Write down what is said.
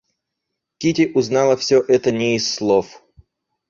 Кити узнала всё это не из слов.